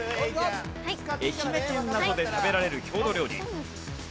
愛媛県などで食べられる郷土料理。